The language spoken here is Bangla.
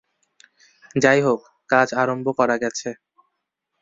যাই হোক, কাজ আরম্ভ করা গেছে।